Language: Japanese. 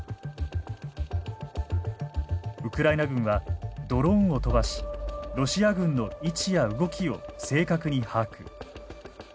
ウクライナ軍はドローンを飛ばしロシア軍の位置や動きを正確に把握。